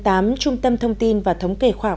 trung tâm thông tin và thống kể khoa học